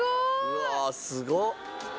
うわすごっ。